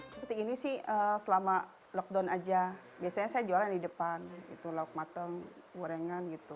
seperti ini sih selama lockdown aja biasanya saya jualan di depan lauk matang gorengan gitu